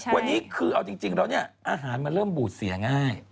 วันนี้คือเอาจริงแล้วเนี่ยอาหารมันเริ่มบูดเสียง่าย